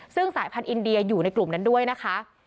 ซึ่งสายพันธ์อินเดียอยู่ในกลุ่มนั้นด้วยนะคะ